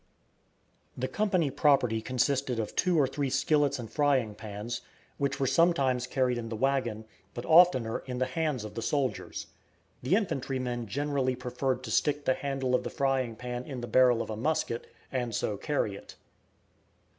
The company property consisted of two or three skillets and frying pans, which were sometimes carried in the wagon, but oftener in the hands of the soldiers. The infantrymen generally preferred to stick the handle of the frying pan in the barrel of a musket, and so carry it.